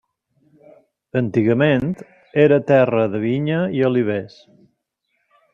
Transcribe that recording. Antigament era terra de vinya i olivers.